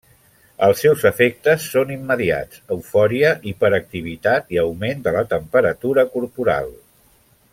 Els seus efectes són immediats: eufòria, hiperactivitat i augment de la temperatura corporal.